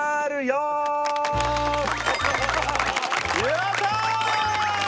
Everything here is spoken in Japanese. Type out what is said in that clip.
やった！